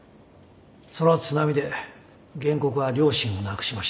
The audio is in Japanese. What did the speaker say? その津波で原告は両親を亡くしました。